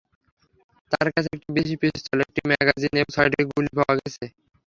তাঁর কাছে একটি বিদেশি পিস্তল, একটি ম্যাগাজিন এবং ছয়টি গুলি পাওয়া গেছে।